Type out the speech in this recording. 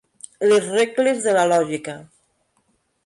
Les regles de la lògica.